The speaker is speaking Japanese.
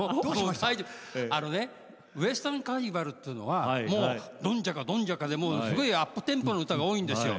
あのねウエスタンカーニバルというのはもうドンジャカドンジャカですごいアップテンポの歌が多いんですよ。